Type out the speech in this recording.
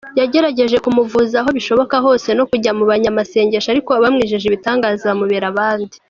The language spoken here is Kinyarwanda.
Yagerageje kumuvuza aho bishoboka hose no kujya mu banyamasengesho ariko abamwijeje ibitangaza bamubera abandi.